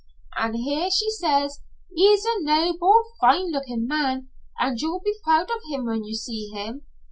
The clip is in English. An' here she says, 'He's a noble, fine looking man, and you'll be proud of him when you see him.'